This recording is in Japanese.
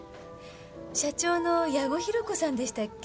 社長の矢後弘子さんでしたっけ